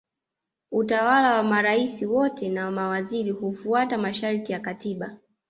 utawala wa marais wote na mawaziri hufuata masharti ya katiba